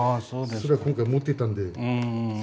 それは今回持っていったんで。